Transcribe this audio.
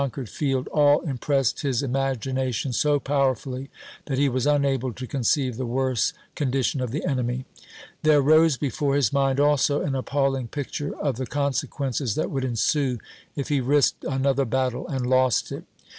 of the coiiquered field, all impressed his imagina tion so powerfully that he was unable to conceive the worse condition of the enemy. There rose he fore his mind also an appallmg picture of the con sequences that would ensue if he risked another battle and lost it.